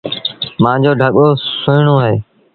مآݩجو ڍڳو سُهيٚڻون اهي۔